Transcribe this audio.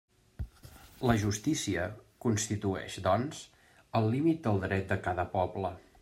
La justícia constitueix, doncs, el límit del dret de cada poble.